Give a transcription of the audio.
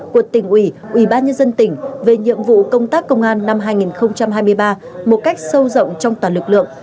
của tỉnh ủy ủy ban nhân dân tỉnh về nhiệm vụ công tác công an năm hai nghìn hai mươi ba một cách sâu rộng trong toàn lực lượng